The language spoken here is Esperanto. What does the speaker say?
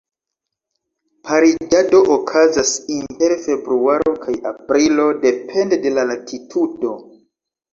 Pariĝado okazas inter februaro kaj aprilo, depende de la latitudo.